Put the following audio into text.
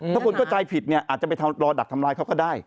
ถ้าคนเข้าใจผิดเนี่ยอาจจะไปรอดักทำร้ายเขาก็ได้